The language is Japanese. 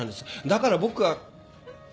だから僕は。